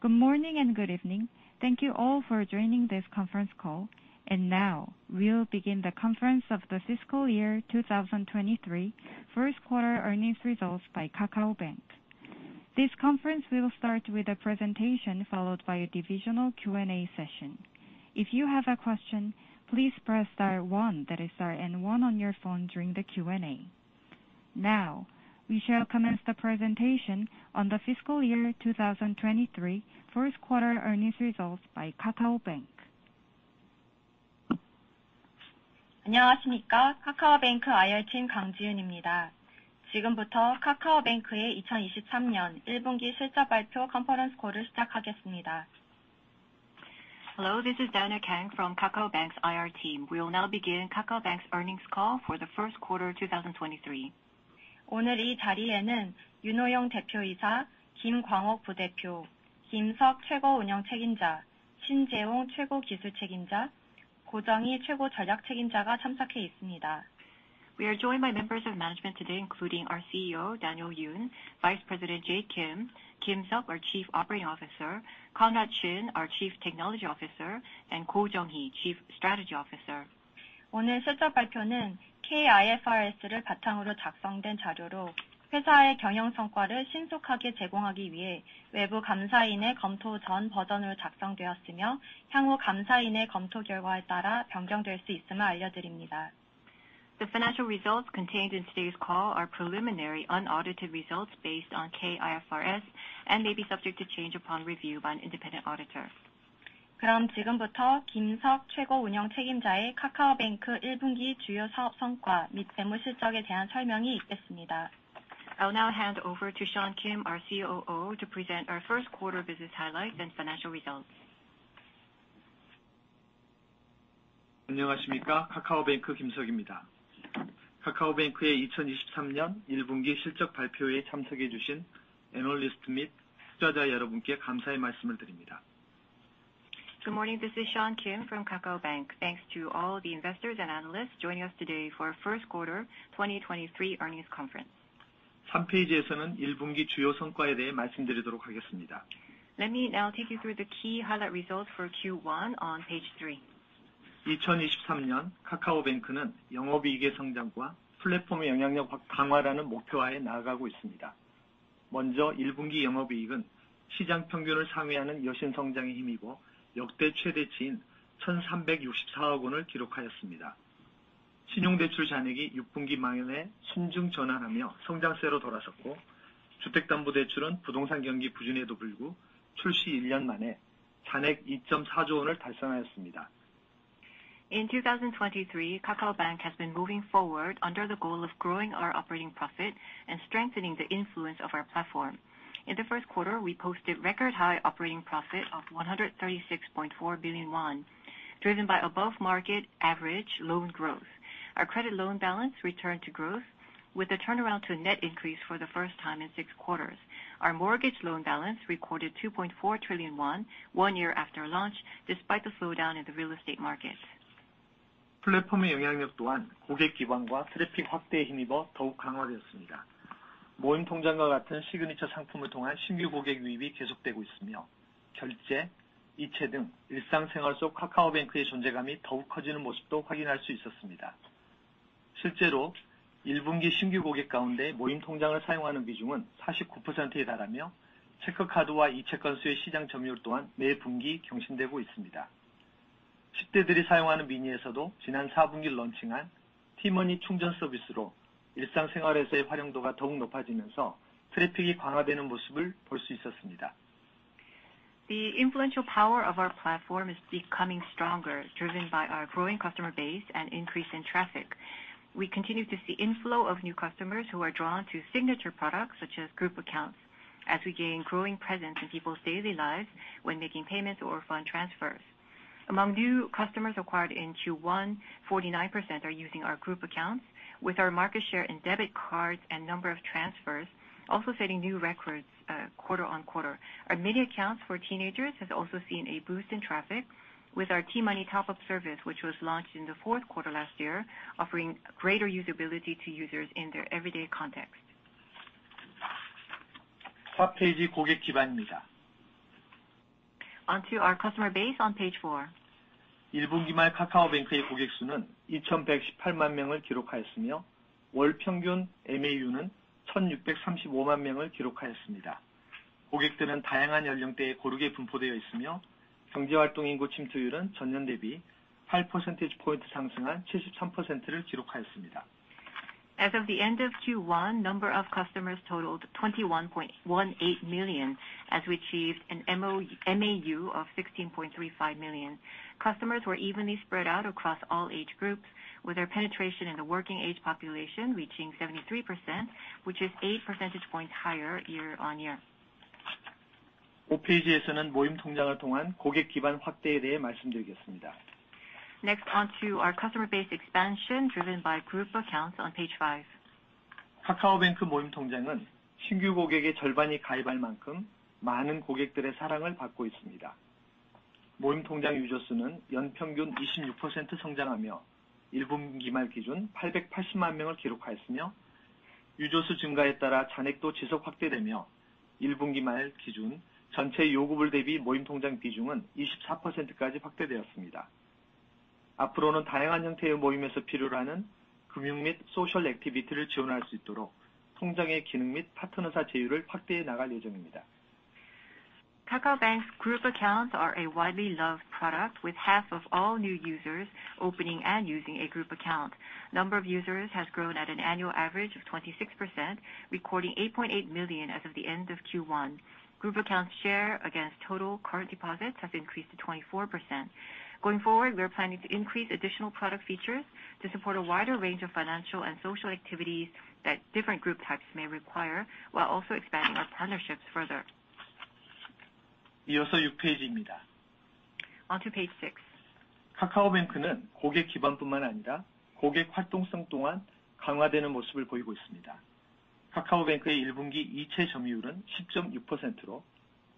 Good morning and good evening. Thank you all for joining this conference call. Now we'll begin the conference of the fiscal year 2023 Q1 earnings results by KakaoBank. This conference will start with a presentation followed by a divisional Q&A session. If you have a question, please press star one, that is star and one on your phone during the Q&A. Now we shall commence the presentation on the fiscal year 2023 Q1 earnings results by KakaoBank. Hello, this is Dianna Kang from KakaoBank's IR team. We will now begin KakaoBank's earnings call for the Q1 of 2023. We are joined by members of management today, including our CEO, Daniel Yoon, Vice President Jay Kim, Seok Kim, our Chief Operating Officer, Jae-Hong Shin, our Chief Technology Officer, and Ko Jung-hee, Chief Strategy Officer. I'll now hand over to Sean Kim, our COO, to present our Q1 business highlights and financial results. Good morning, this is Sean Kim from KakaoBank. Thanks to all the investors and analysts joining us today for our first quarter 2023 earnings conference. Let me now take you through the key highlight results for Q1 on page three. In 2023, KakaoBank has been moving forward under the goal of growing our operating profit and strengthening the influence of our platform. In the Q1, we posted record high operating profit of 136.4 billion won, driven by above market average loan growth. Our credit loan balance returned to growth with a turnaround to a net increase for the first time in six quarters. Our mortgage loan balance recorded KRW 2.4 trillion one year after launch, despite the slowdown in the real estate market. The influential power of our platform is becoming stronger, driven by our growing customer base and increase in traffic. We continue to see inflow of new customers who are drawn to signature products such as Group Account, as we gain growing presence in people's daily lives when making payments or fund transfers. Among new customers acquired in Q1, 49% are using our Group Account with our market share in debit cards and number of transfers also setting new records quarter-on-quarter. Our mini accounts for teenagers has also seen a boost in traffic with our T-money top up service, which was launched in the fourth quarter last year, offering greater usability to users in their everyday context. On to our customer base on page 4. As of the end of Q1, number of customers totaled 21.18 million, as we achieved an MAU of 16.35 million. Customers were evenly spread out across all age groups, with our penetration in the working age population reaching 73%, which is eight percentage points higher year-on-year. Next, on to our customer base expansion driven by Group Account on page five. 모임 통장 유저 수는 연 평균 이십육 퍼센트 성장하며 일 분기 말 기준 팔백팔십만 명을 기록하였으며, 유저 수 증가에 따라 잔액도 지속 확대되며, 일 분기 말 기준 전체 요구불 대비 모임 통장 비중은 이십사 퍼센트까지 확대되었습니다. 앞으로는 다양한 형태의 모임에서 필요로 하는 금융 및 소셜 액티비티를 지원할 수 있도록 통장의 기능 및 파트너사 제휴를 확대해 나갈 예정입니다. KakaoBank Group Account are a widely loved product with half of all new users opening and using a Group Account. Number of users has grown at an annual average of 26%, recording 8.8 million as of the end of Q1. Group Account share against total current deposits have increased to 24%. Going forward, we are planning to increase additional product features to support a wider range of financial and social activities that different group types may require, while also expanding our partnerships further. 이어서 6 페이지입니다. On to page six. 카카오뱅크는 고객 기반뿐만 아니라 고객 활동성 또한 강화되는 모습을 보이고 있습니다. 카카오뱅크의 일 분기 이체 점유율은 십점육 퍼센트로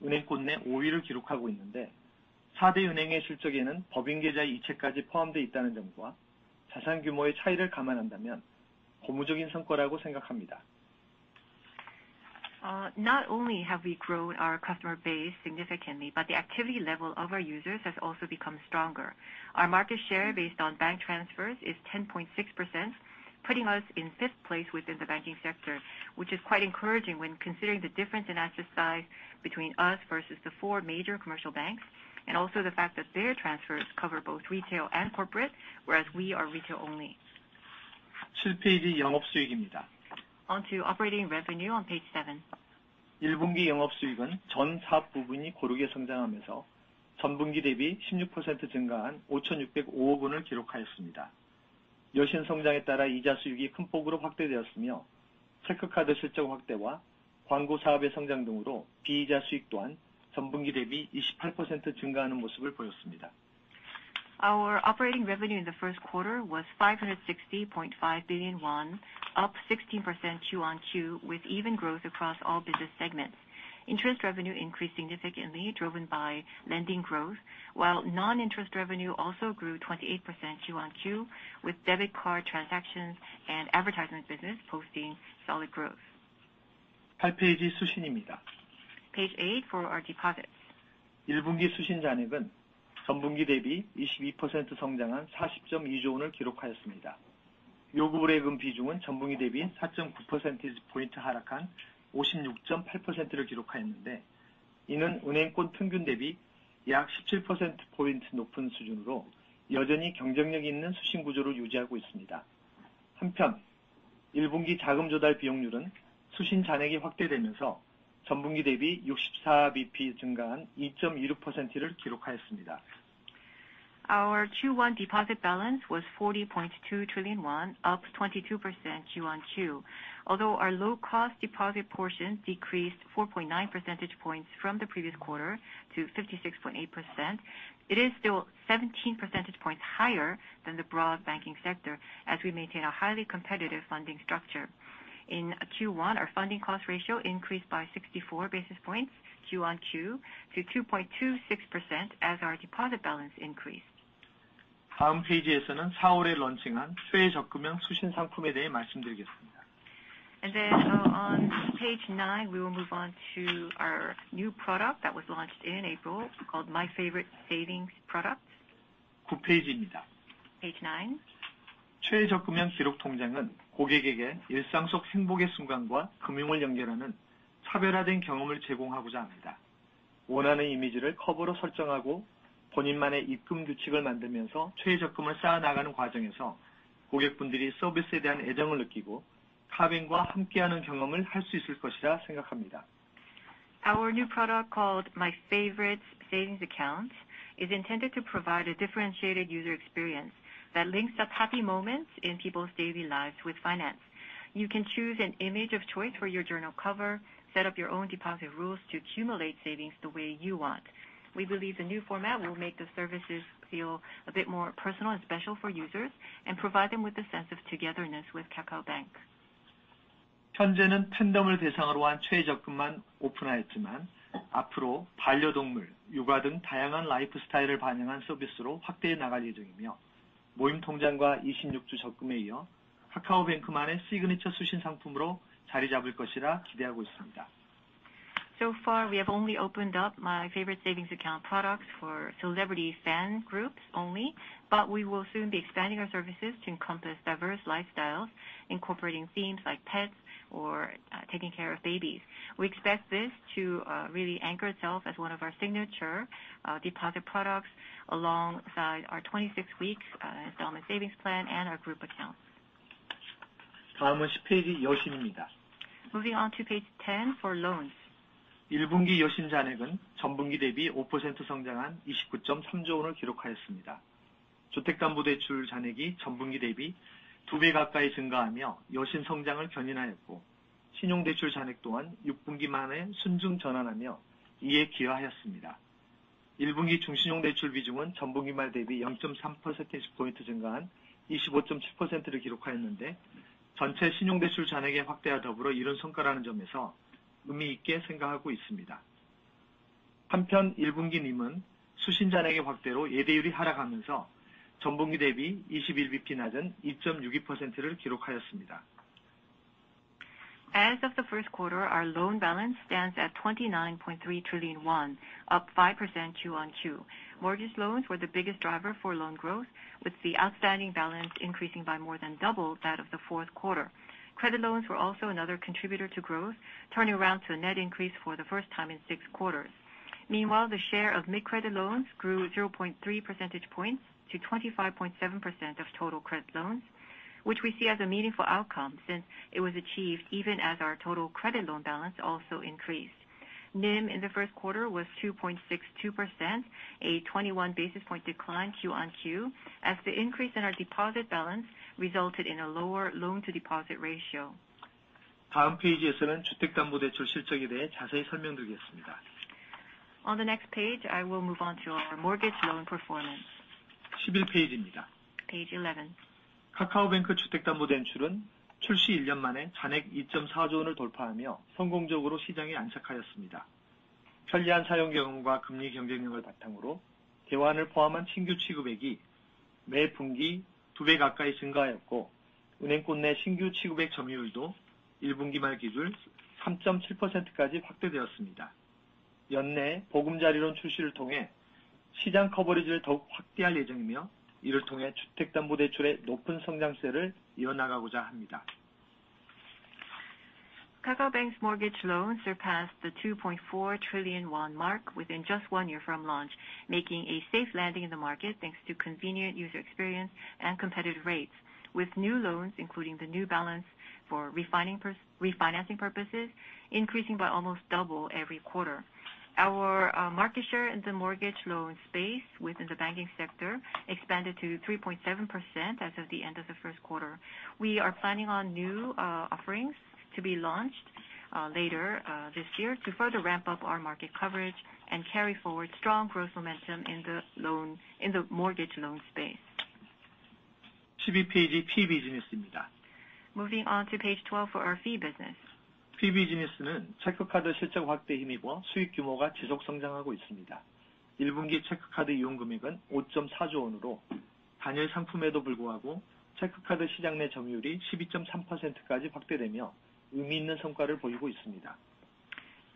은행권 내 오위를 기록하고 있는데, 사대 은행의 실적에는 법인 계좌 이체까지 포함돼 있다는 점과 자산 규모의 차이를 감안한다면 고무적인 성과라고 생각합니다. Not only have we grown our customer base significantly, but the activity level of our users has also become stronger. Our market share based on bank transfers is 10.6%, putting us in fifth place within the banking sector, which is quite encouraging when considering the difference in asset size between us versus the four major commercial banks and also the fact that their transfers cover both retail and corporate, whereas we are retail only. Seven page operating revenue. On to operating revenue on page seven. 1분기 영업 수익은 전 사업 부분이 고르게 성장하면서 전분기 대비 16% 증가한 560.5 billion을 기록하였습니다. 여신 성장에 따라 이자 수익이 큰 폭으로 확대되었으며, 체크카드 실적 확대와 광고 사업의 성장 등으로 비이자 수익 또한 전분기 대비 28% 증가하는 모습을 보였습니다. Our operating revenue in the first quarter was 560.5 billion won, up 16% Q-on-Q with even growth across all business segments. Interest revenue increased significantly, driven by lending growth, while non-interest revenue also grew 28% Q-on-Q, with debit card transactions and advertisement business posting solid growth. 8 페이지 수신입니다. Page eight for our deposits. 1Q 수신 잔액은 전분기 대비 22% 성장한 40.2 trillion을 기록하였습니다. 요구불예금 비중은 전분기 대비 4.9 percentage points 하락한 56.8%를 기록하였는데, 이는 은행권 평균 대비 약17 percentage points 높은 수준으로 여전히 경쟁력 있는 수신 구조를 유지하고 있습니다. 한편, 1Q 자금조달비용률은 수신 잔액이 확대되면서 전분기 대비 64 BP 증가한 2.26%를 기록하였습니다. Our Q1 deposit balance was 40.2 trillion won, up 22% Q-on-Q. Although our low-cost deposit portion decreased 4.9 percentage points from the previous quarter to 56.8%, it is still 17 percentage points higher than the broad banking sector as we maintain a highly competitive funding structure. In Q1, our funding cost ratio increased by 64 basis points Q-on-Q to 2.26% as our deposit balance increased. 다음 페이지에서는 4월에 론칭한 최적금형 수신 상품에 대해 말씀드리겠습니다. On page nine, we will move on to our new product that was launched in April called My Favorite Savings Product. 9 페이지입니다. Page nine. 최적금형 기록 통장은 고객에게 일상 속 행복의 순간과 금융을 연결하는 차별화된 경험을 제공하고자 합니다. 원하는 이미지를 커버로 설정하고 본인만의 입금 규칙을 만들면서 최적금을 쌓아 나가는 과정에서 고객분들이 서비스에 대한 애정을 느끼고 카뱅과 함께하는 경험을 할수 있을 것이라 생각합니다. Our new product, called My Favorite Savings Accounts, is intended to provide a differentiated user experience that links up happy moments in people's daily lives with finance. You can choose an image of choice for your journal cover, set up your own deposit rules to accumulate savings the way you want. We believe the new format will make the services feel a bit more personal and special for users and provide them with the sense of togetherness with KakaoBank. 현재는 팬덤을 대상으로 한 최적금만 오픈하였지만, 앞으로 반려동물, 육아 등 다양한 라이프 스타일을 반영한 서비스로 확대해 나갈 예정이며, 모임통장과 26주 적금에 이어 카카오뱅크만의 시그니처 수신 상품으로 자리 잡을 것이라 기대하고 있습니다. Far, we have only opened up My Favorite Savings Account products for celebrity fan groups only, we will soon be expanding our services to encompass diverse lifestyles, incorporating themes like pets or taking care of babies. We expect this to really anchor itself as one of our signature deposit products alongside our 26 weeks Installment Savings plan and our Group Account. Next is 10 page loans. Moving on to page 10 for loans. 1분기 여신 잔액은 전분기 대비 5% 성장한 29.3 trillion을 기록하였습니다. 주택담보대출 잔액이 전분기 대비 2배 가까이 증가하며 여신 성장을 견인하였고, 신용대출 잔액 또한 6분기 만에 순증 전환하며 이에 기여하였습니다. 1분기 중신용대출 비중은 전분기 말 대비 0.3 percentage points 증가한 25.7%를 기록하였는데, 전체 신용대출 잔액의 확대와 더불어 이런 성과라는 점에서 의미 있게 생각하고 있습니다. 한편 1분기 NIM은 수신 잔액의 확대로 예대율이 하락하면서 전분기 대비 21 BP 낮은 2.62%를 기록하였습니다. As of the first quarter, our loan balance stands at 29.3 trillion won, up 5% Q-on-Q. Mortgage loans were the biggest driver for loan growth, with the outstanding balance increasing by more than double that of the fourth quarter. Credit loans were also another contributor to growth, turning around to a net increase for the first time in six quarters. The share of mid-credit loans grew 0.3 percentage points to 25.7% of total credit loans, which we see as a meaningful outcome since it was achieved even as our total credit loan balance also increased. NIM in the first quarter was 2.62%, a 21 basis point decline Q-on-Q, as the increase in our deposit balance resulted in a lower loan-to-deposit ratio. 다음 페이지에서는 주택담보대출 실적에 대해 자세히 설명드리겠습니다. On the next page, I will move on to our mortgage loan performance. 11 페이지입니다. Page 11. KakaoBank 주택담보대출은 출시 1 year 만에 잔액 2.4 trillion을 돌파하며 성공적으로 시장에 안착하였습니다. 편리한 사용 경험과 금리 경쟁력을 바탕으로 개화를 포함한 신규 취급액이 매 분기 2배 가까이 증가하였고, 은행권 내 신규 취급액 점유율도 1분기 말 기준 3.7%까지 확대되었습니다. 연내 보금자리론 출시를 통해 시장 커버리지를 더욱 확대할 예정이며, 이를 통해 주택담보대출의 높은 성장세를 이어나가고자 합니다. KakaoBank's mortgage loans surpassed the 2.4 trillion won mark within just one year from launch, making a safe landing in the market, thanks to convenient user experience and competitive rates. With new loans, including the new balance for refinancing purposes, increasing by almost double every quarter. Our market share in the mortgage loan space within the banking sector expanded to 3.7% as of the end of the Q1. We are planning on new offerings to be launched later this year to further ramp up our market coverage and carry forward strong growth momentum in the mortgage loan space. 12 페이지, Fee business입니다. Moving on to page 12 for our fee business. Fee business는 체크카드 실적 확대에 힘입어 수익 규모가 지속 성장하고 있습니다. 1Q 체크카드 이용금액은 5.4 trillion으로 단일 상품에도 불구하고 체크카드 시장 내 점유율이 12.3%까지 확대되며 의미 있는 성과를 보이고 있습니다.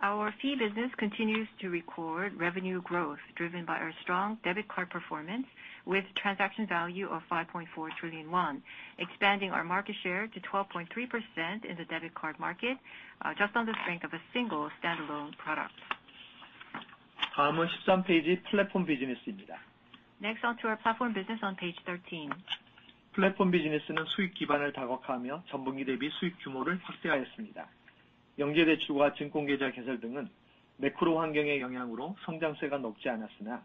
Our fee business continues to record revenue growth driven by our strong debit card performance with transaction value of 5.4 trillion won, expanding our market share to 12.3% in the debit card market, just on the strength of a single standalone product. 다음은 13 페이지, Platform business입니다. On to our platform business on page 13. Platform business는 수익 기반을 다각화하며 quarter-over-quarter 수익 규모를 확대하였습니다. 영제 대출과 증권계좌 개설 등은 매크로 환경의 영향으로 성장세가 높지 않았으나,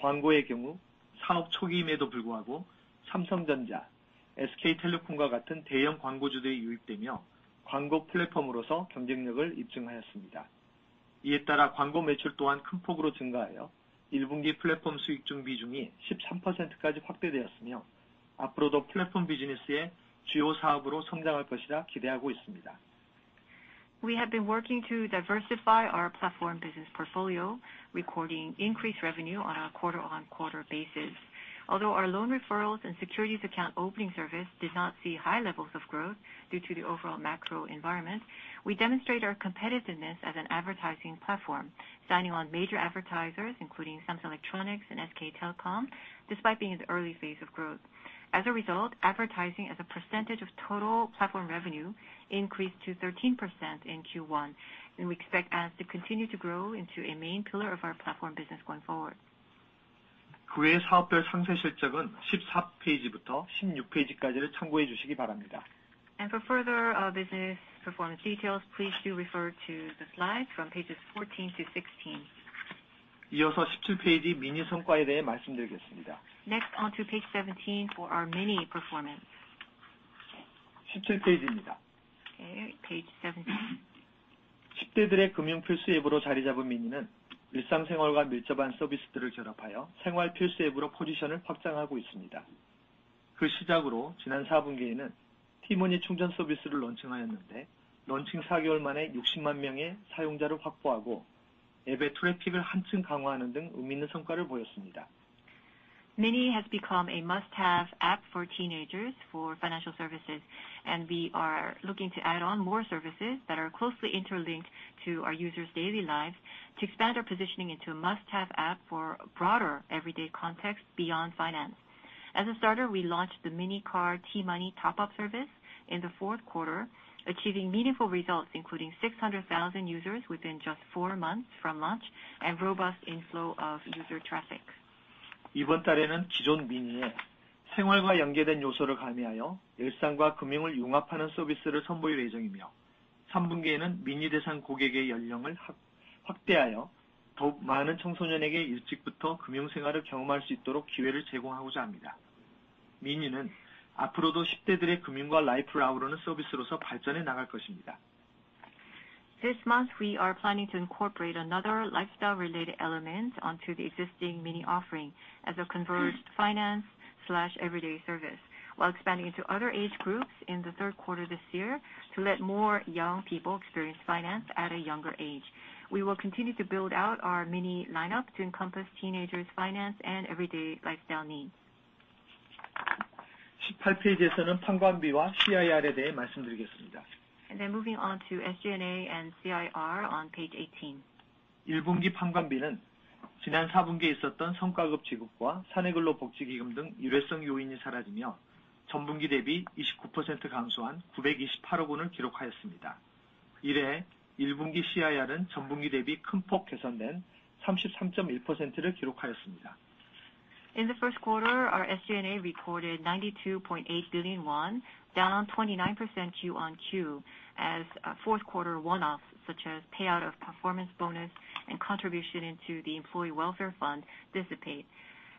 광고의 경우 사업 초기임에도 불구하고 Samsung Electronics, SK Telecom과 같은 대형 광고주들이 유입되며 광고 플랫폼으로서 경쟁력을 입증하였습니다. 이에 따라 광고 매출 또한 큰 폭으로 증가하여 1Q 플랫폼 수익 중 비중이 13%까지 확대되었으며, 앞으로도 플랫폼 비즈니스의 주요 사업으로 성장할 것이라 기대하고 있습니다. We have been working to diversify our platform business portfolio, recording increased revenue on a quarter-on-quarter basis. Although our loan referrals and securities account opening service did not see high levels of growth due to the overall macro environment, we demonstrate our competitiveness as an advertising platform, signing on major advertisers including Samsung Electronics and SK Telecom, despite being in the early phase of growth. As a result, advertising as a percentage of total platform revenue increased to 13% in Q1, and we expect ads to continue to grow into a main pillar of our platform business going forward. 그외 사업별 상세 실적은 14 페이지부터 16 페이지까지를 참고해 주시기 바랍니다. For further, business performance details, please do refer to the slides from pages 14 to 16. 17 페이지, mini 성과에 대해 말씀드리겠습니다. On to page 17 for our mini performance. 십칠 페이지입니다. Okay, page 17. 십대들의 금융 필수 앱으로 자리 잡은 mini는 일상생활과 밀접한 서비스들을 결합하여 생활 필수 앱으로 포지션을 확장하고 있습니다. 그 시작으로 지난 Q4에는 T-money 충전 서비스를 론칭하였는데, 론칭 4개월 만에 600,000명의 사용자를 확보하고 앱의 트래픽을 한층 강화하는 등 의미 있는 성과를 보였습니다. Mini has become a must-have app for teenagers for financial services. We are looking to add on more services that are closely interlinked to our users daily lives to expand our positioning into a must-have app for broader everyday context beyond finance. As a starter, we launched the mini card T-money top-up service in the Q4, achieving meaningful results, including 600,000 users within just four months from launch and robust inflow of user traffic. 이번 달에는 기존 mini에 생활과 연계된 요소를 가미하여 일상과 금융을 융합하는 서비스를 선보일 예정이며, 3Q에는 mini 대상 고객의 연령을 확대하여 더욱 많은 청소년에게 일찍부터 금융 생활을 경험할 수 있도록 기회를 제공하고자 합니다. mini는 앞으로도 십대들의 금융과 라이프를 아우르는 서비스로서 발전해 나갈 것입니다. This month, we are planning to incorporate another lifestyle related element onto the existing mini offering as a converged finance/everyday service, while expanding into other age groups in the third quarter this year to let more young people experience finance at a younger age. We will continue to build out our mini lineup to encompass teenagers finance and everyday lifestyle needs. Moving on to SG&A and CIR on page 18. In the first quarter, our SG&A recorded 92.8 billion won, down on 29% Q-on-Q as fourth quarter one-offs, such as payout of performance bonus and contribution into the employee welfare fund dissipate.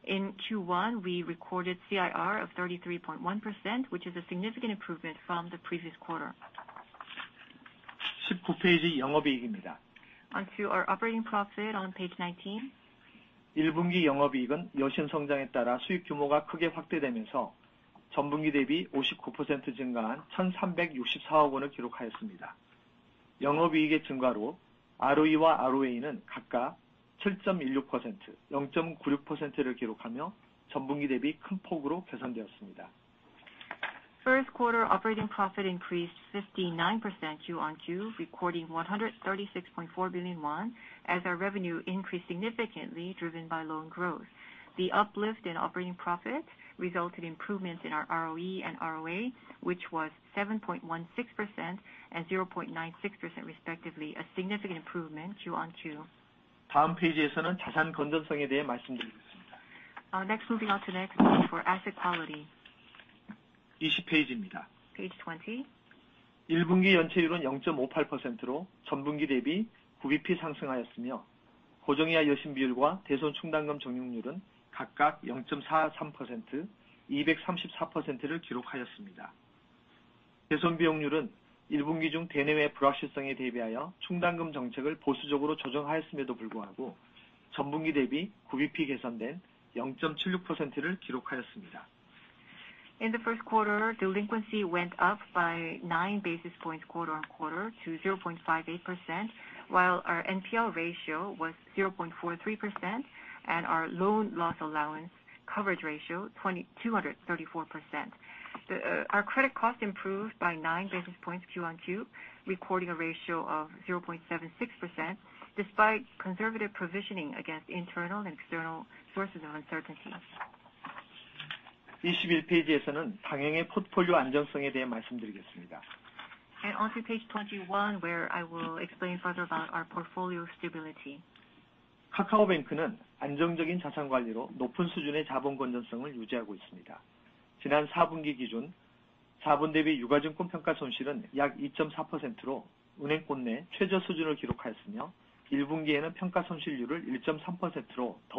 In Q1, we recorded CIR of 33.1%, which is a significant improvement from the previous quarter. On to our operating profit on page 19. First quarter operating profit increased 59% Q-on-Q, recording 136.4 billion won as our revenue increased significantly, driven by loan growth. The uplift in operating profit resulted improvements in our ROE and ROA, which was 7.16% and 0.96% respectively, a significant improvement Q-on-Q. Moving on to next page for asset quality. Page 20. In the first quarter, delinquency went up by nine basis points quarter-on-quarter to 0.58%, while our NPL ratio was 0.43% and our loan loss allowance coverage ratio 2,234%. Our credit cost improved by nine basis points Q-on-Q, recording a ratio of 0.76% despite conservative provisioning against internal and external sources of uncertainty. On to page 21, where I will explain further about our portfolio stability. At KakaoBank, we maintain high level of capital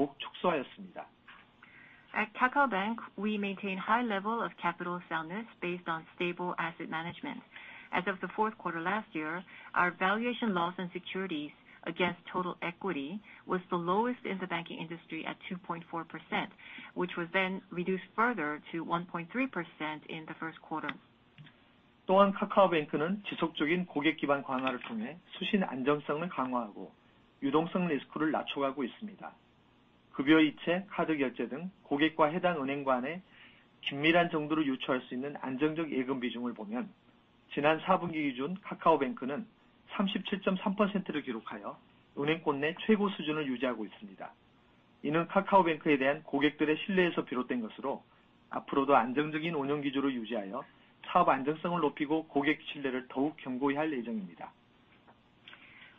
soundness based on stable asset management. As of the 4th quarter last year, our valuation loss and securities against total equity was the lowest in the banking industry at 2.4%, which was then reduced further to 1.3% in the 1st quarter.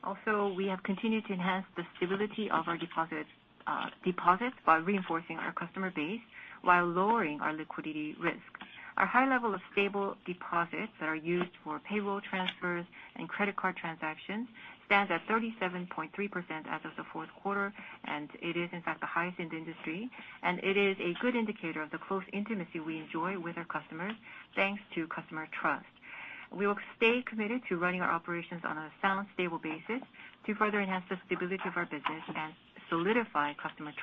Also, we have continued to enhance the stability of our deposit by reinforcing our customer base while lowering our liquidity risk. Our high level of stable deposits that are used for payroll transfers and credit card transactions stands at 37.3% as of the forth quarter, it is in fact the highest in the industry. It is a good indicator of the close intimacy we enjoy with our customers thanks to customer trust. We will stay committed to running our operations on a sound, stable basis to further enhance the stability of our business and solidify customer trust.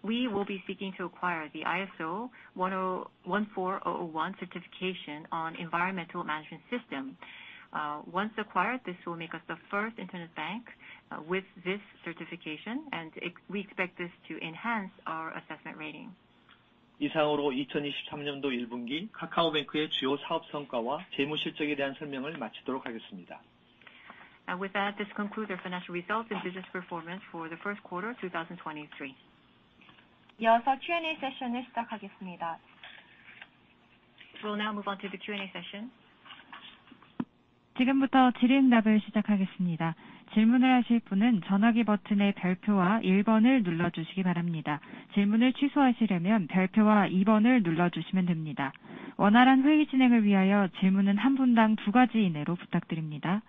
Lastly on to page 21 on key highlights of our ESG performance. As part of our drive to put ESG management into real practice, we will be seeking to acquire the ISO 14001 certification on environmental management system. Once acquired, this will make us the first internet bank with this certification, and we expect this to enhance our assessment rating. With that, this concludes our financial results and business performance for the first quarter of 2023. We will now move on to the Q&A session. 지금부터 질의응답을 시작하겠습니다. 질문을 하실 분은 전화기 버튼의 별표와 1번을 눌러주시기 바랍니다. 질문을 취소하시려면 별표와 2번을 눌러주시면 됩니다. 원활한 회의 진행을 위하여 질문은 한 분당 두 가지 이내로 부탁드립니다.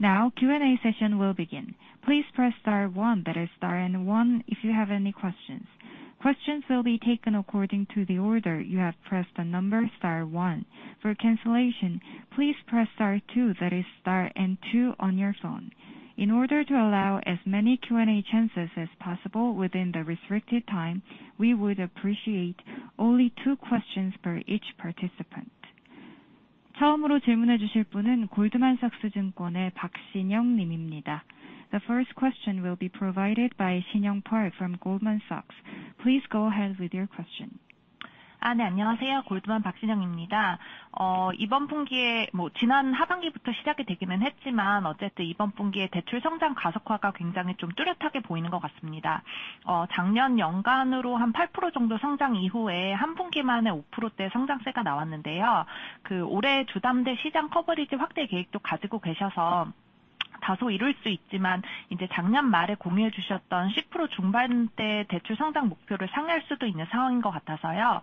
Q&A session will begin. Please press star one, that is star and one, if you have any questions. Questions will be taken according to the order you have pressed the number star one. For cancellation, please press star two, that is star and two on your phone. In order to allow as many Q&A chances as possible within the restricted time, we would appreciate only two questions per each participant. 처음으로 질문해 주실 분은 골드만삭스증권의 박신영 님입니다. The first question will be provided by Sinyoung Park from Goldman Sachs. Please go ahead with your question. 안녕하세요. Goldman Sinyoung Park입니다. 이번 분기에 지난 하반기부터 시작이 되기는 했지만 이번 분기에 대출 성장 가속화가 굉장히 뚜렷하게 보이는 것 같습니다. 작년 연간으로 한 8% 정도 성장 이후에 한 분기만에 5%대 성장세가 나왔는데요. 올해 주담대 시장 커버리지 확대 계획도 가지고 계셔서 다소 이를 수 있지만 작년 말에 공유해 주셨던 10% 중반대 대출 성장 목표를 상회할 수도 있는 상황인 것 같아서요.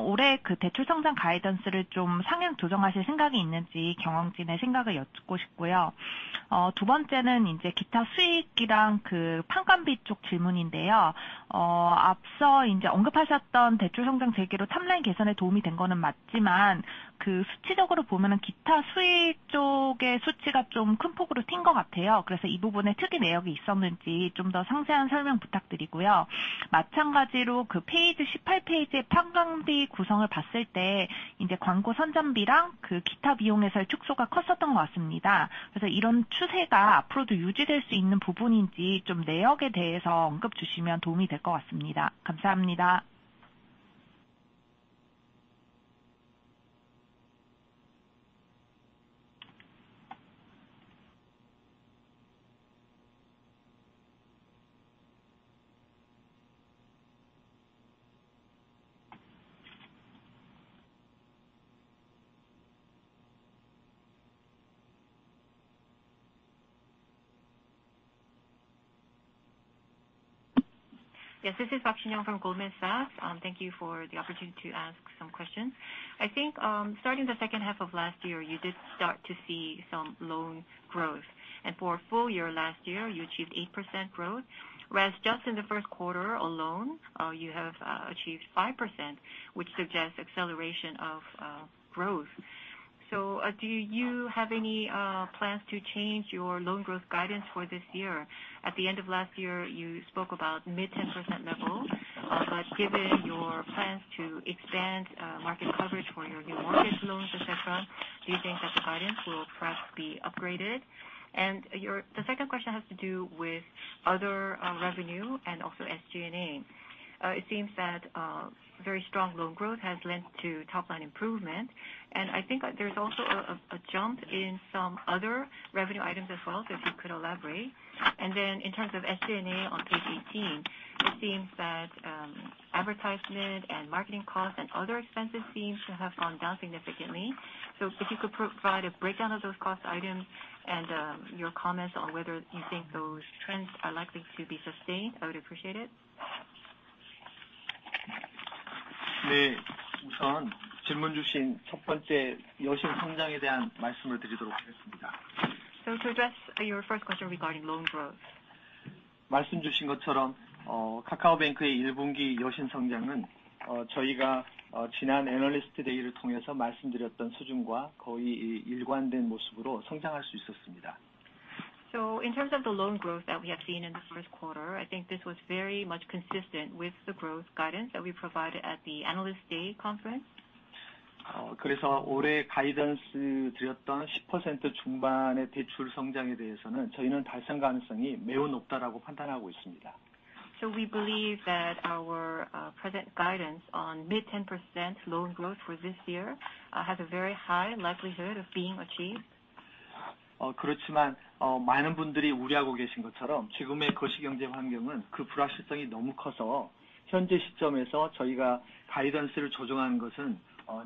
올해 대출 성장 가이던스를 상향 조정하실 생각이 있는지 경영진의 생각을 여쭙고 싶고요. 두 번째는 기타 수익이랑 판관비 쪽 질문인데요. 앞서 언급하셨던 대출 성장 재개로 탑라인 개선에 도움이 된 거는 맞지만 수치적으로 보면은 기타 수익 쪽의 수치가 큰 폭으로 뛴것 같아요. 이 부분에 특이 내역이 있었는지 더 상세한 설명 부탁드리고요. 마찬가지로 페이지 18 페이지의 판관비 구성을 봤을 때 광고 선전비랑 기타 비용에서의 축소가 컸었던 것 같습니다. 이런 추세가 앞으로도 유지될 수 있는 부분인지 좀 내역에 대해서 언급 주시면 도움이 될것 같습니다. 감사합니다. Yes, this is Sinyoung Park from Goldman Sachs. Thank you for the opportunity to ask some questions. I think, starting the second half of last year, you did start to see some loan growth. For full year last year, you achieved 8% growth, whereas just in the first quarter alone, you have achieved 5%, which suggests acceleration of growth. Do you have any plans to change your loan growth guidance for this year? At the end of last year, you spoke about mid-10% levels. Given your plans to expand market coverage for your new market loans, et cetera, do you think that the guidance will perhaps be upgraded? The second question has to do with other revenue and also SG&A. It seems that very strong loan growth has led to top line improvement, and I think there's also a jump in some other revenue items as well, so if you could elaborate. In terms of SG&A on page 18, it seems that advertisement and marketing costs and other expenses seem to have gone down significantly. If you could provide a breakdown of those cost items and your comments on whether you think those trends are likely to be sustained, I would appreciate it. 우선 질문 주신 첫 번째 여신 성장에 대한 말씀을 드리도록 하겠습니다. To address, your first question regarding loan growth. 말씀 주신 것처럼, KakaoBank의 1분기 여신 성장은, 저희가, 지난 Analyst Day를 통해서 말씀드렸던 수준과 거의, 일관된 모습으로 성장할 수 있었습니다. In terms of the loan growth that we have seen in the Q1, I think this was very much consistent with the growth guidance that we provided at the Analyst Day conference. 올해 가이던스 드렸던 mid-10%의 대출 성장에 대해서는 저희는 달성 가능성이 매우 높다라고 판단하고 있습니다. We believe that our present guidance on mid 10% loan growth for this year has a very high likelihood of being achieved. 많은 분들이 우려하고 계신 것처럼 지금의 거시경제 환경은 그 불확실성이 너무 커서 현재 시점에서 저희가 가이던스를 조정하는 것은,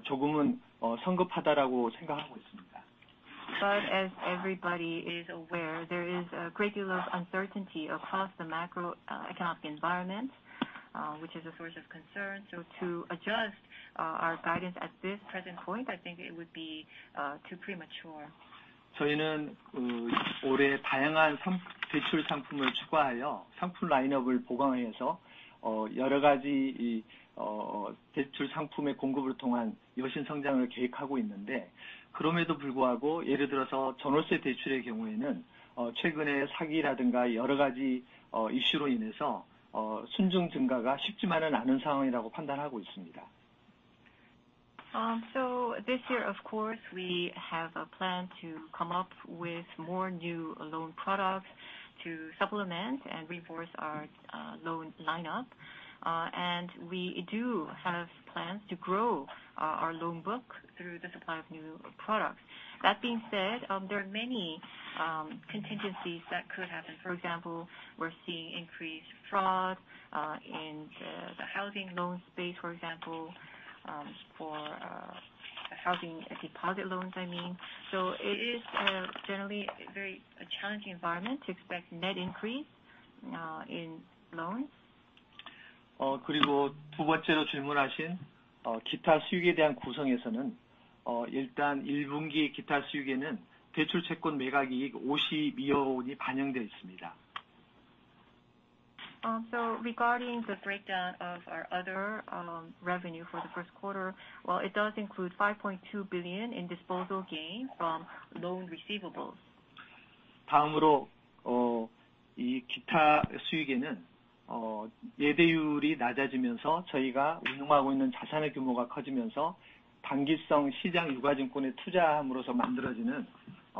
조금은, 성급하다라고 생각하고 있습니다. As everybody is aware, there is a great deal of uncertainty across the macroeconomic environment, which is a source of concern. To adjust our guidance at this present point, I think it would be too premature. 저희는 올해 다양한 대출 상품을 추가하여 상품 라인업을 보강해서 여러 가지 대출 상품의 공급을 통한 여신 성장을 계획하고 있는데, 그럼에도 불구하고 예를 들어서 전월세 대출의 경우에는 최근에 사기라든가 여러 가지 이슈로 인해서 순증 증가가 쉽지만은 않은 상황이라고 판단하고 있습니다. This year, of course, we have a plan to come up with more new loan products to supplement and reinforce our loan lineup. We do have plans to grow our loan book through the supply of new products. That being said, there are many contingencies that could happen. For example, we're seeing increased fraud in the housing loan space, for example, Having deposit loans, I mean. It is generally a very challenging environment to expect net increase in loans. Uh, Regarding the breakdown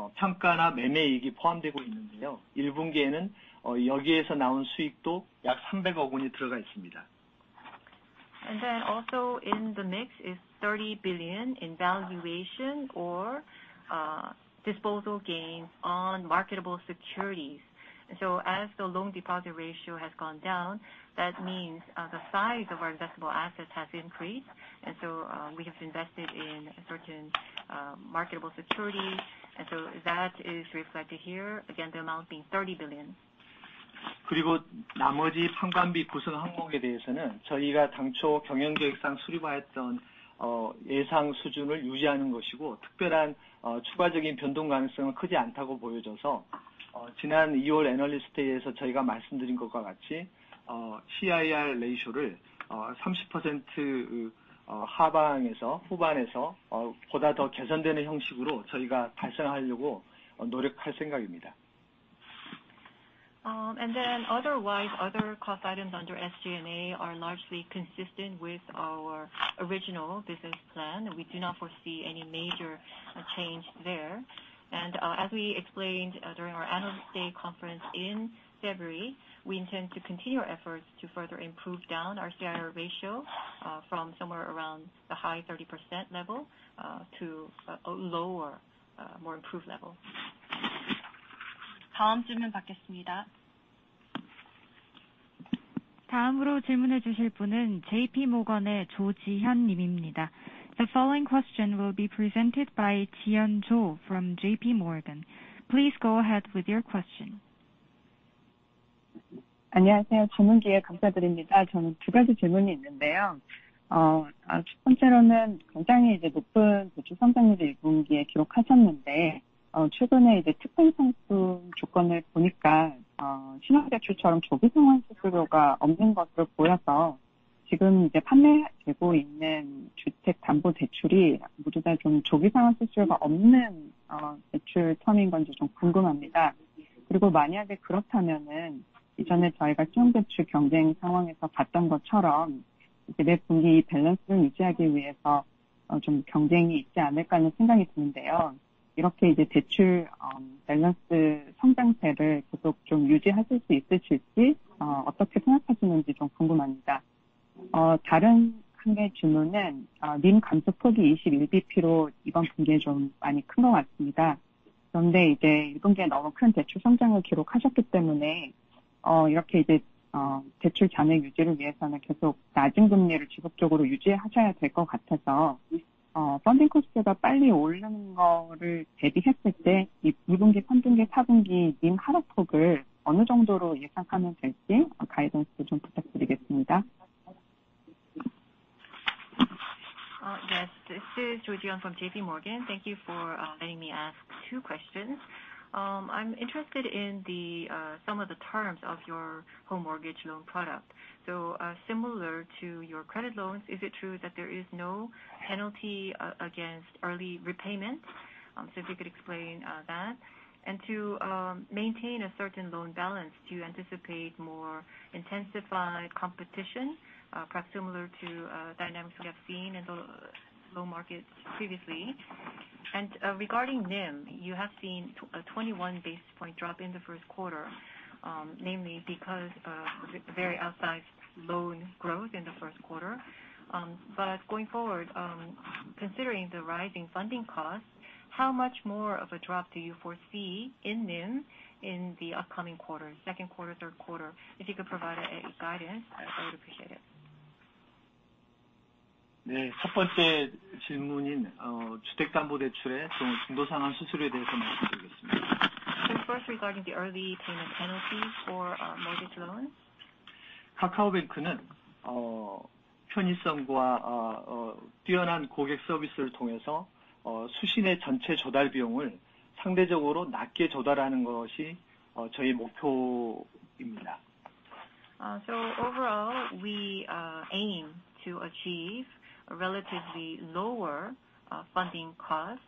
of our other revenue for the first quarter, well, it does include KRW 5.2 billion in disposal gain from loan receivables. Also in the mix is KRW 30 billion in valuation or disposal gains on marketable securities. As the loan-to-deposit ratio has gone down, that means the size of our investable assets has increased. We have invested in certain marketable securities. That is reflected here, again, the amount being KRW 30 billion. Otherwise, other cost items under SG&A are largely consistent with our original business plan. We do not foresee any major change there. As we explained, during our analyst day conference in February, we intend to continue our efforts to further improve down our CIR ratio, from somewhere around the high 30% level, to a lower, more improved level. The following question will be presented by Jihyun Cho from JPMorgan. Please go ahead with your question. Yes, this is Jiyeon from JPMorgan. Thank you for letting me ask two questions. I'm interested in some of the terms of your home mortgage loan product. Similar to your credit loans, is it true that there is no penalty against early repayment? If you could explain that. To maintain a certain loan balance, do you anticipate more intensified competition, perhaps similar to dynamics we have seen in the loan market previously? Regarding NIM, you have seen a 21 basis point drop in the first quarter, namely because of very outsized loan growth in the first quarter. Going forward, considering the rising funding costs, how much more of a drop do you foresee in NIM in the upcoming quarters, Q2, Q3? If you could provide any guidance, I would appreciate it. First, regarding the early payment penalty for mortgage loans. Overall, we aim to achieve a relatively lower funding cost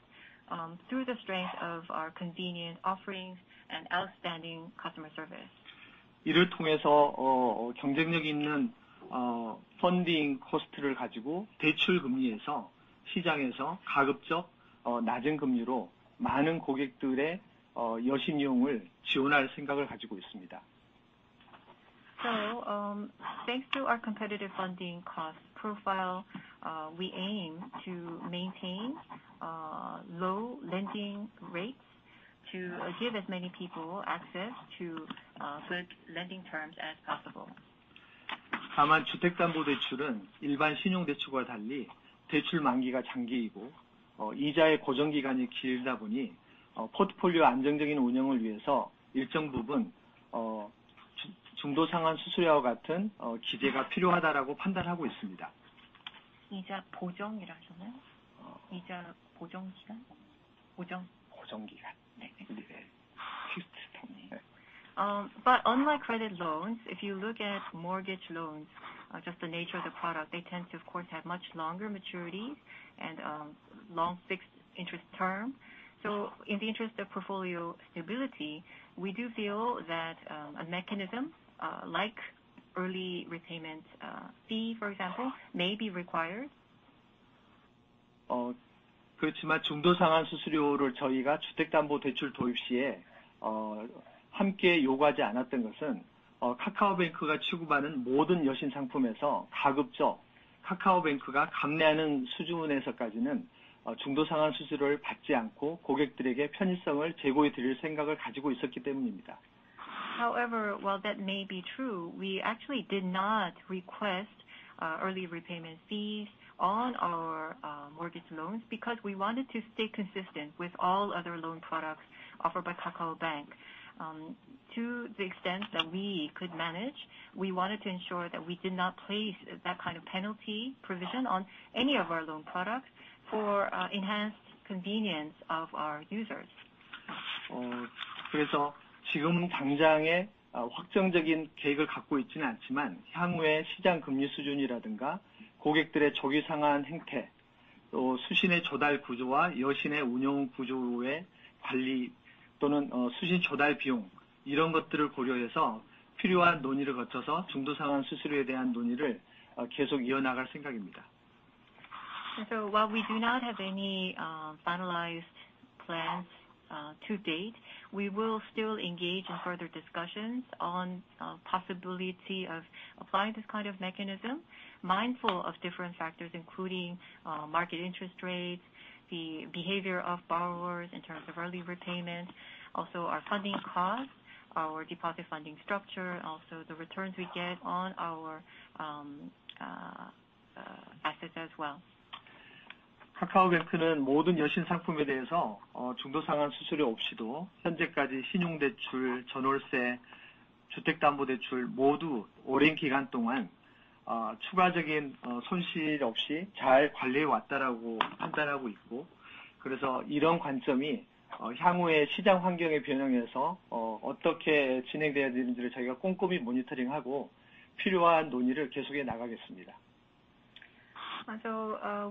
through the strength of our convenient offerings and outstanding customer service. Thanks to our competitive funding cost profile, we aim to maintain low lending rates to give as many people access to good lending terms as possible. Unlike credit loans, if you look at mortgage loans, just the nature of the product, they tend to, of course, have much longer maturity and long fixed interest term. In the interest of portfolio stability, we do feel that a mechanism like early repayment fee, for example, may be required. While that may be true, we actually did not request early repayment fees on our mortgage loans because we wanted to stay consistent with all other loan products offered by KakaoBank. To the extent that we could manage, we wanted to ensure that we did not place that kind of penalty provision on any of our loan products for enhanced convenience of our users. While we do not have any finalized plans to date, we will still engage in further discussions on possibility of applying this kind of mechanism, mindful of different factors including market interest rates, the behavior of borrowers in terms of early repayment, also our funding costs, our deposit funding structure, also the returns we get on our assets as well.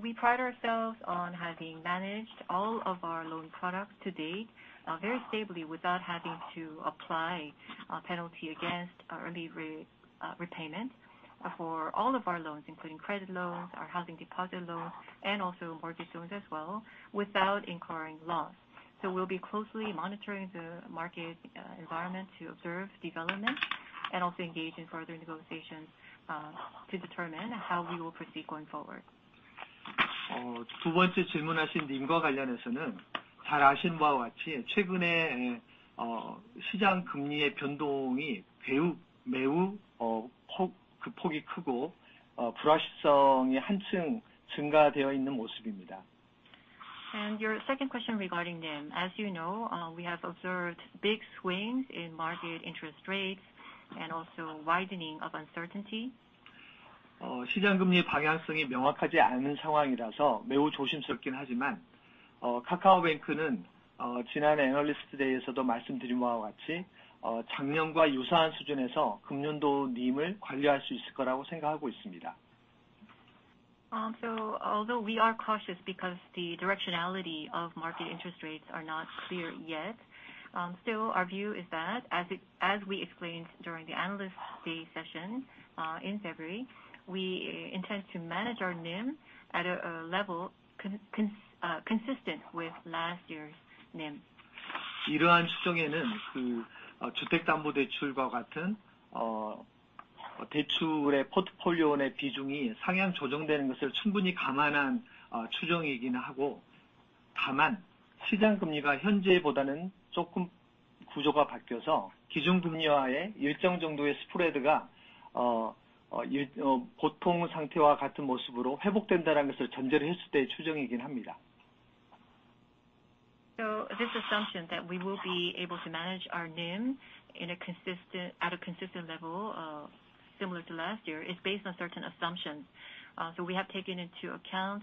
We pride ourselves on having managed all of our loan products to date very stably without having to apply a penalty against early repayment for all of our loans, including credit loans, our housing deposit loans, and also mortgage loans as well, without incurring loss. We'll be closely monitoring the market environment to observe developments and also engage in further negotiations to determine how we will proceed going forward. Your second question regarding NIM. As you know, we have observed big swings in market interest rates and also widening of uncertainty. Although we are cautious because the directionality of market interest rates are not clear yet, still our view is that as we explained during the analyst day session in February, we intend to manage our NIM at a level consistent with last year's NIM. This assumption that we will be able to manage our NIM at a consistent level, similar to last year, is based on certain assumptions. We have taken into account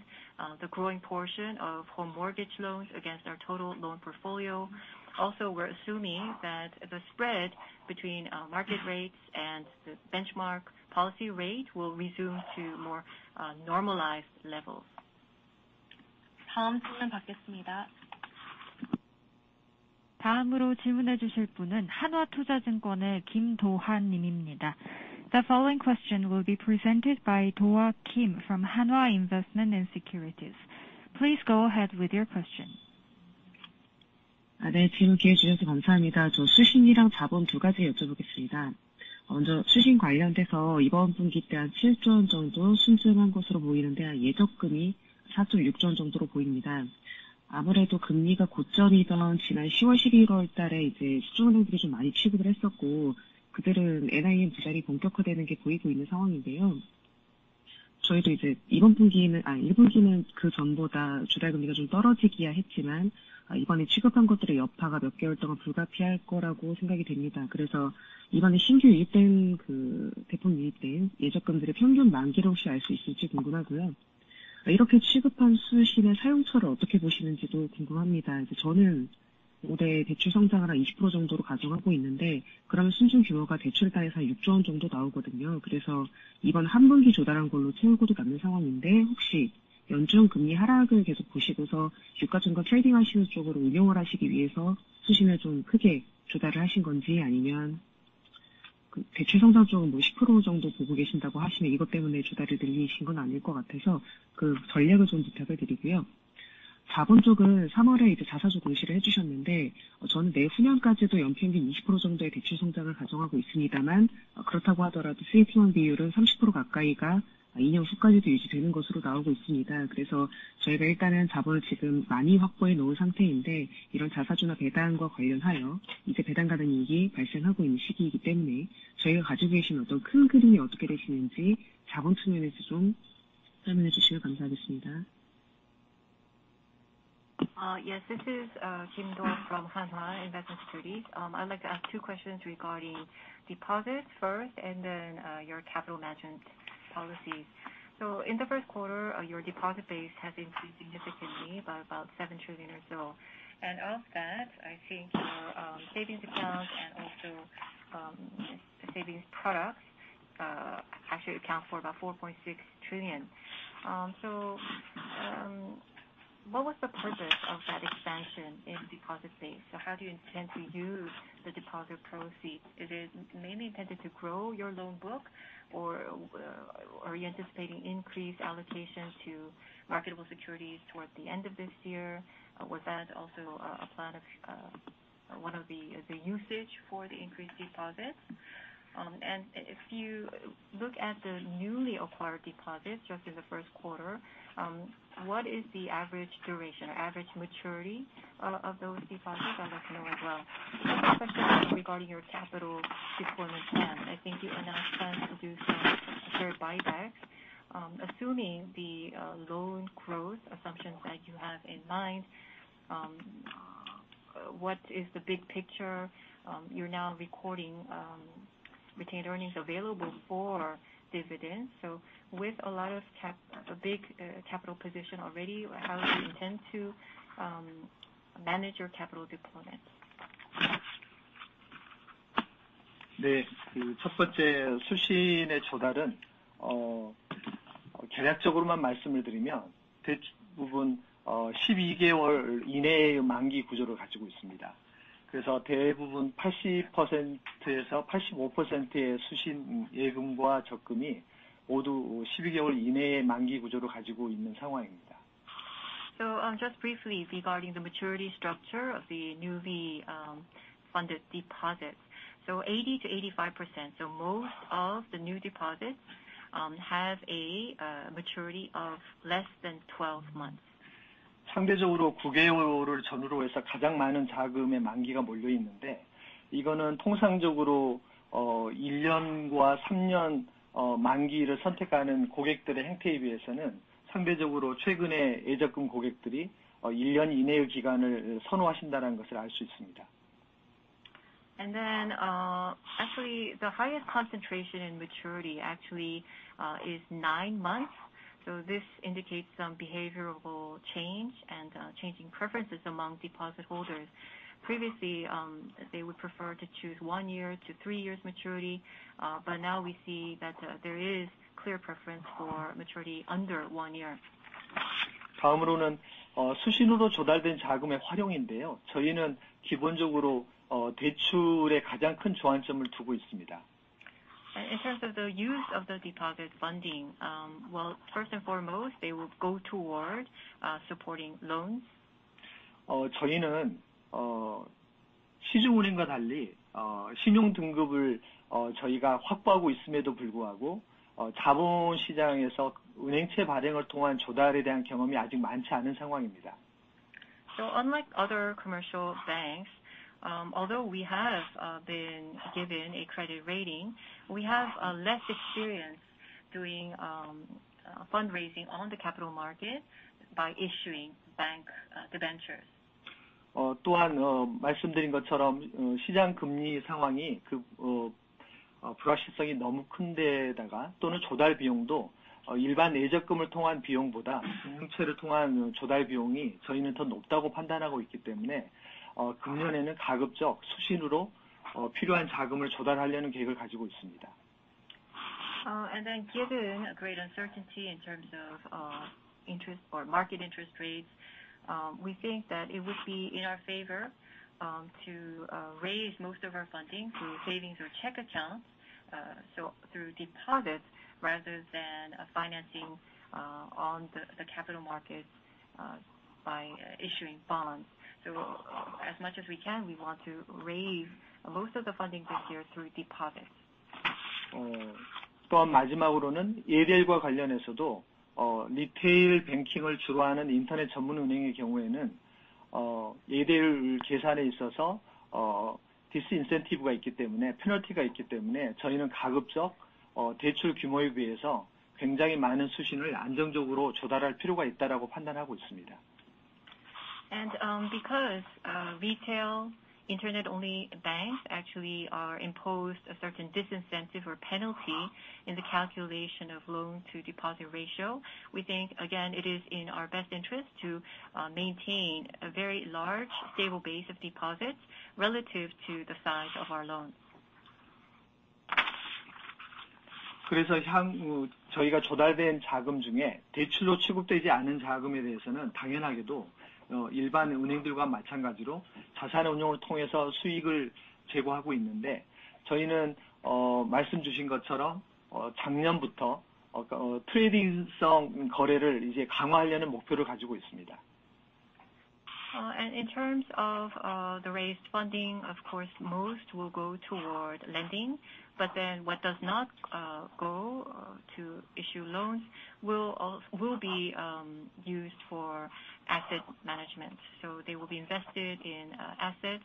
the growing portion of home mortgage loans against our total loan portfolio. Also, we're assuming that the spread between market rates and the benchmark policy rate will resume to more normalized levels. The following question will be presented by Dohwa Kim from Hanwha Investment & Securities. Please go ahead with your question. Yes, this is Kim Do from Hanwha Investment & Securities. I'd like to ask two questions regarding deposits first and then your capital management policy. In the Q1, your deposit base has increased significantly by about 7 trillion or so. Of that, I think your savings account and also savings products actually account for about 4.6 trillion. What was the purpose of that expansion in deposit base? How do you intend to use the deposit proceeds? Is it mainly intended to grow your loan book or are you anticipating increased allocation to marketable securities towards the end of this year? Was that also a plan of one of the usage for the increased deposits? If you look at the newly acquired deposits just in the first quarter, what is the average duration or average maturity of those deposits? I'd like to know as well. A second question regarding your capital deployment plan. I think you announced plans to do some share buybacks. Assuming the loan growth assumptions that you have in mind, what is the big picture? You're now recording retained earnings available for dividends. With a lot of a big capital position already, how do you intend to manage your capital deployment? Just briefly regarding the maturity structure of the newly funded deposits. 80%-85%, so most of the new deposits have a maturity of less than 12 months. Actually, the highest concentration in maturity actually, is nine months. This indicates some behavioral change and changing preferences among deposit holders. Previously, they would prefer to choose one year to three years maturity, but now we see that there is clear preference for maturity under one year. In terms of the use of the deposit funding, well, first and foremost, they will go toward supporting loans. Unlike other commercial banks, although we have been given a credit rating, we have less experience doing fundraising on the capital market by issuing bank debentures. Given a great uncertainty in terms of interest or market interest rates, we think that it would be in our favor to raise most of our funding through savings or checking accounts, so through deposits rather than financing on the capital markets by issuing bonds. As much as we can, we want to raise most of the funding this year through deposits. Because retail internet-only banks actually are imposed a certain disincentive or penalty in the calculation of loan-to-deposit ratio, we think again, it is in our best interest to maintain a very large stable base of deposits relative to the size of our loans. 향후 저희가 조달된 자금 중에 대출로 취급되지 않은 자금에 대해서는 당연하게도 일반 은행들과 마찬가지로 자산운용을 통해서 수익을 제고하고 있는데, 저희는 말씀 주신 것처럼 작년부터 trading성 거래를 이제 강화하려는 목표를 가지고 있습니다. In terms of the raised funding, of course, most will go toward lending. What does not go to issue loans will be used for asset management, so they will be invested in assets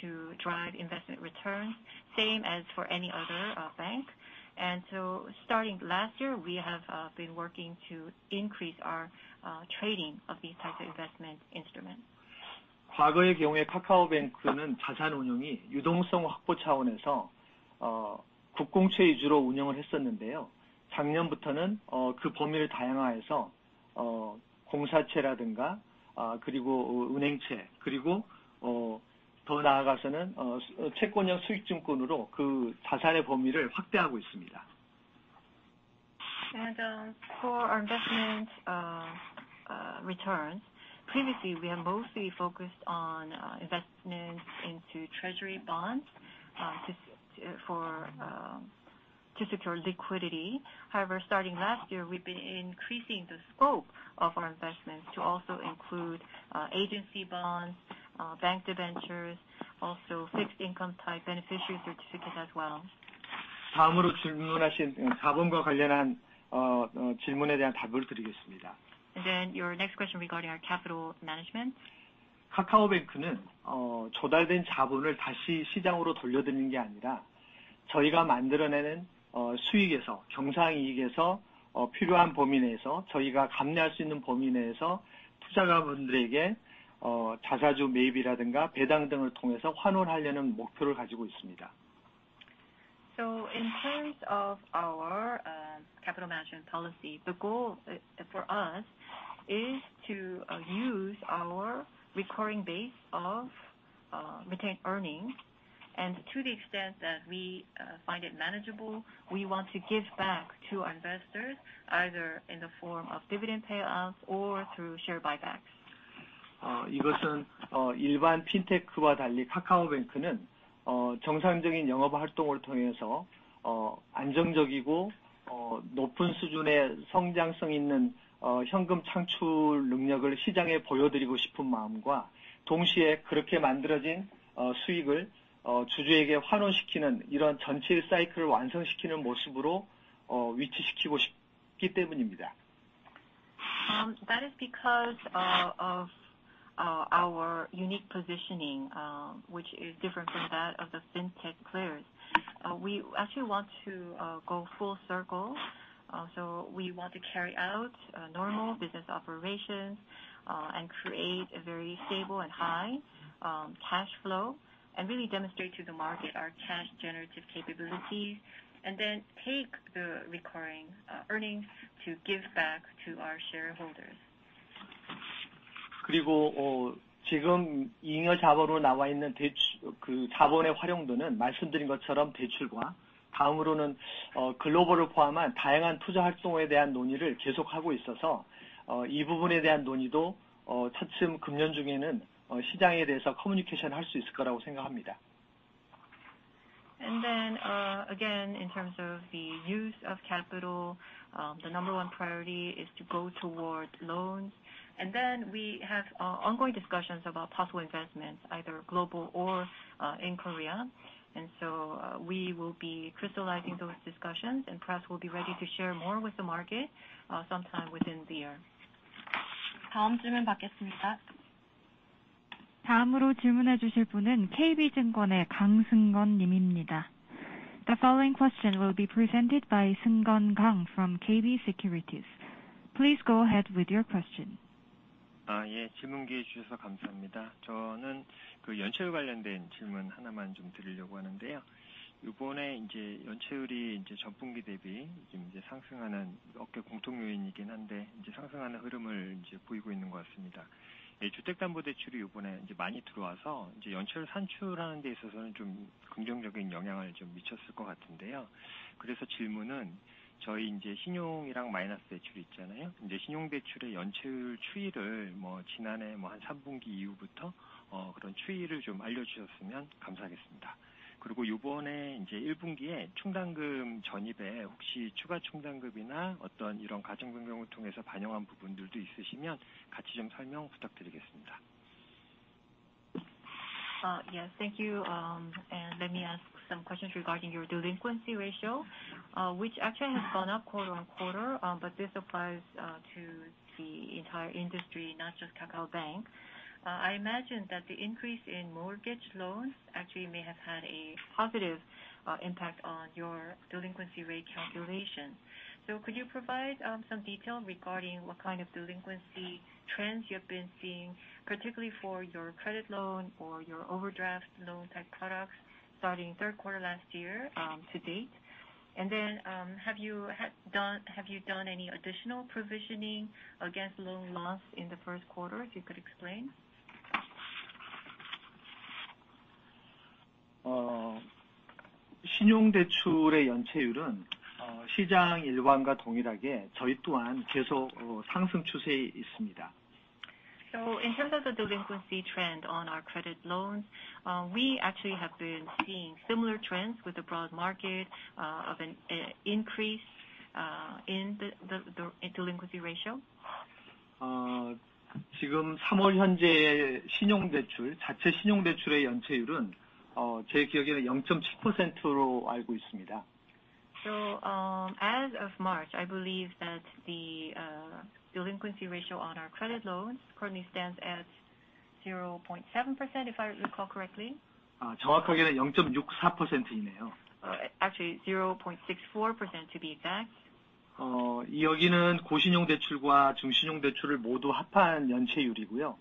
to drive investment returns, same as for any other bank. Starting last year, we have been working to increase our trading of these types of investment instruments. 과거의 경우에 KakaoBank는 자산운용이 유동성 확보 차원에서 국공채 위주로 운용을 했었는데요. 작년부터는 그 범위를 다양화해서 공사채라든가, 그리고 은행채, 그리고 더 나아가서는 채권형 수익증권으로 그 자산의 범위를 확대하고 있습니다. For our investment returns, previously we are mostly focused on investments into treasury bonds to secure liquidity. However, starting last year, we've been increasing the scope of our investments to also include agency bonds, bank debentures, also fixed income type beneficiary certificates as well. 다음으로 질문하신 자본과 관련한 질문에 대한 답을 드리겠습니다. Your next question regarding our capital management. 카카오뱅크는 어 조달된 자본을 다시 시장으로 돌려드리는 게 아니라 저희가 만들어내는 어 수익에서 경상이익에서 어 필요한 범위 내에서 저희가 감내할 수 있는 범위 내에서 투자자분들에게 어 자사주 매입이라든가 배당 등을 통해서 환원하려는 목표를 가지고 있습니다. In terms of our capital management policy, the goal for us is to use our recurring base of retained earnings. To the extent that we find it manageable, we want to give back to investors either in the form of dividend payoffs or through share buybacks. 이것은 일반 fintech와 달리 KakaoBank는 정상적인 영업활동을 통해서 안정적이고 높은 수준의 성장성 있는 현금 창출 능력을 시장에 보여드리고 싶은 마음과 동시에 그렇게 만들어진 수익을 주주에게 환원시키는 이런 전체 사이클을 완성시키는 모습으로 위치시키고 싶기 때문입니다. That is because of our unique positioning, which is different from that of the fintech players. We actually want to go full circle. We want to carry out normal business operations and create a very stable and high cash flow and really demonstrate to the market our cash generative capabilities and then take the recurring earnings to give back to our shareholders. 지금 잉여 자본으로 나와 있는 대출, 그 자본의 활용도는 말씀드린 것처럼 대출과 다음으로는 글로벌을 포함한 다양한 투자 활동에 대한 논의를 계속하고 있어서, 이 부분에 대한 논의도 차츰 금년 중에는 시장에 대해서 커뮤니케이션 할수 있을 거라고 생각합니다. Again, in terms of the use of capital, the number one priority is to go toward loans. We have ongoing discussions about possible investments, either global or in Korea. We will be crystallizing those discussions and perhaps we'll be ready to share more with the market sometime within the year. 다음 질문 받겠습니다. 다음으로 질문해 주실 분은 KB증권의 강승건 님입니다. The following question will be presented by Seung-Gun Kang from KB Securities. Please go ahead with your question. 예. 질문 기회 주셔서 감사합니다. 저는 그 연체율 관련된 질문 하나만 좀 드리려고 하는데요. 이번에 이제 연체율이 이제 전분기 대비 좀 이제 상승하는 업계 공통 요인이긴 한데, 이제 상승하는 흐름을 이제 보이고 있는 것 같습니다. 이 주택담보대출이 이번에 이제 많이 들어와서 이제 연체율 산출하는 데 있어서는 좀 긍정적인 영향을 좀 미쳤을 것 같은데요. 질문은 저희 이제 신용이랑 마이너스 대출 있잖아요. 이제 신용대출의 연체율 추이를 뭐 지난해 뭐한 3분기 이후부터 어 그런 추이를 좀 알려주셨으면 감사하겠습니다. 이번에 이제 1분기에 충당금 전입에 혹시 추가 충당금이나 어떤 이런 가정금융을 통해서 반영한 부분들도 있으시면 같이 좀 설명 부탁드리겠습니다. Yes, thank you. Let me ask some questions regarding your delinquency ratio, which actually has gone up quarter-on-quarter. This applies to the entire industry, not just KakaoBank. I imagine that the increase in mortgage loans actually may have had a positive impact on your delinquency rate calculation. Could you provide some detail regarding what kind of delinquency trends you have been seeing, particularly for your credit loan or your overdraft loan type products starting Q3 last year, to date? Then, have you done any additional provisioning against loan loss in the Q1? If you could explain. Uh, In terms of the delinquency trend on our credit loans, we actually have been seeing similar trends with the broad market, of an increase in the delinquency ratio. Uh, As of March, I believe that the delinquency ratio on our credit loans currently stands at 0.7% if I recall correctly. Uh, actually 0.64% to be exact. Uh, This 0.64% applies to our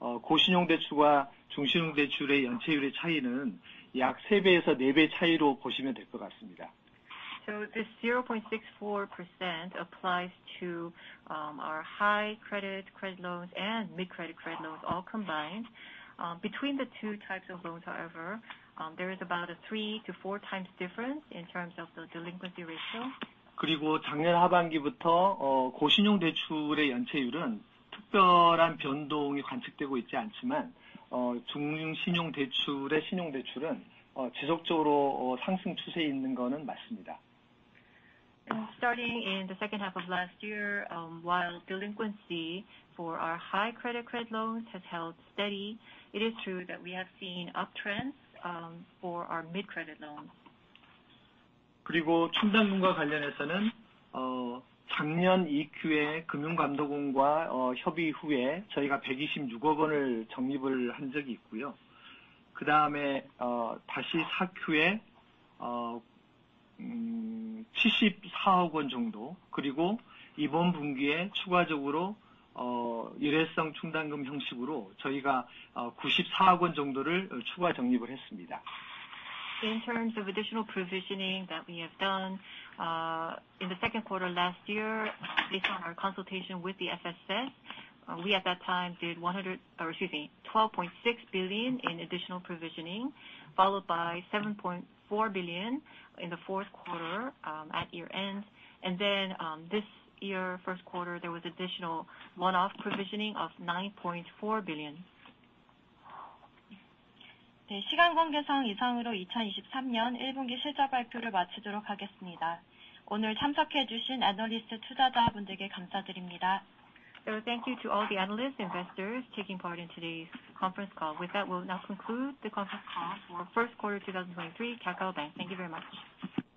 high credit loans and mid-credit loans all combined. Between the two types of loans however, there is about a three to four times difference in terms of the delinquency ratio. Starting in the second half of last year, while delinquency for our high credit loans has held steady, it is true that we have seen uptrends for our mid-credit loans. In terms of additional provisioning that we have done in the Q2 last year, based on our consultation with the FSS, we at that time did 12.6 billion in additional provisioning, followed by 7.4 billion in the Q4 at year-end. Then, this year Q1, there was additional one-off provisioning of 9.4 billion. Thank you to all the analysts, investors taking part in today's conference call. With that, we'll now conclude the conference call for first quarter 2023 KakaoBank. Thank you very much.